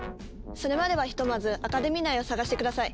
それまではひとまずアカデミー内を捜して下さい。